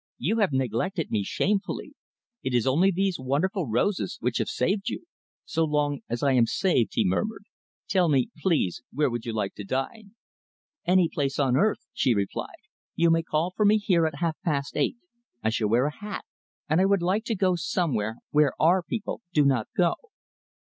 You have neglected me shamefully. It is only these wonderful roses which have saved you." "So long as I am saved," he murmured, "tell me, please, where you would like to dine?" "Any place on earth," she replied. "You may call for me here at half past eight. I shall wear a hat and I would like to go somewhere where our people do not go."